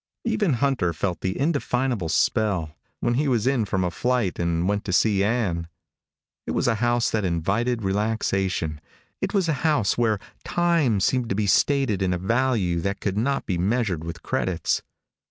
Even Hunter felt the indefinable spell, when he was in from a flight and went to see Ann. It was a house that invited relaxation. It was a house where time seemed to be stated in a value that could not be measured with credits.